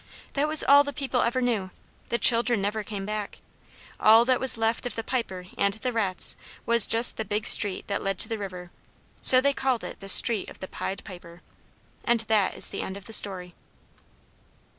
That was all the people ever knew. The children never came back. All that was left of the Piper and the rats was just the big street that led to the river; so they called it the Street of the Pied Piper. And that is the end of the story.